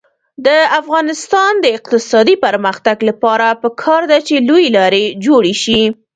د افغانستان د اقتصادي پرمختګ لپاره پکار ده چې لویې لارې جوړې شي.